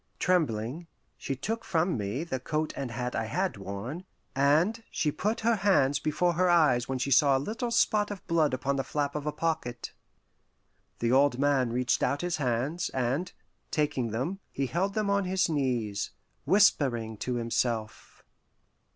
Trembling, she took from me the coat and hat I had worn, and she put her hands before her eyes when she saw a little spot of blood upon the flap of a pocket. The old man reached out his hands, and, taking them, he held them on his knees, whispering to himself.